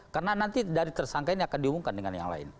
karena nanti dari tersangka ini akan dihubungkan dengan yang lain